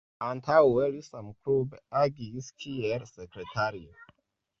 Antaŭe li samklube agis kiel sekretario.